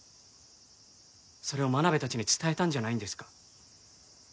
それを真鍋たちに伝えたんじゃないんですか？